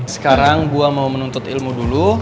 sekarang gua mau menuntut ilmu dulu